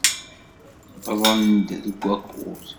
Wwḍen-d deg wakud.